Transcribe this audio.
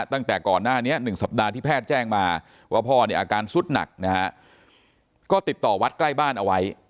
ตั้งแต่ก่อนหน้านี้๑สัปดาห์ที่แพทย์แจ้งมาว่าพ่อเนี่ยอาการสุดหนักนะฮะก็ติดต่อวัดใกล้บ้านเอาไว้